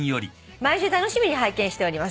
毎週楽しみに拝見しております」